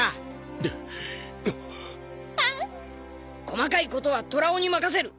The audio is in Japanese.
細かいことはトラ男に任せる。